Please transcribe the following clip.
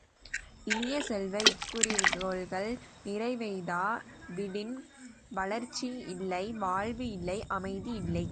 இனிய செல்வ, இக்குறிக்கோள்கள் நிறைவெய்தா விடின் வளர்ச்சி இல்லை வாழ்வு இல்லை அமைதி இல்லை.